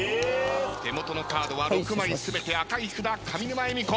手元のカードは６枚全て赤い札上沼恵美子。